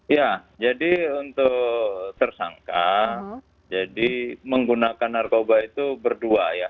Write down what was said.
ya jadi untuk tersangka jadi menggunakan narkoba itu berdua ya